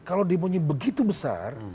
kalau demonya begitu besar